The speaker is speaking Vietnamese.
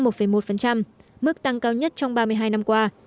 mức tăng cao nhất trong ba mươi hai năm qua